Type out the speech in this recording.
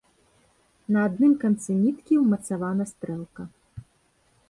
На адным канцы ніткі ўмацавана стрэлка.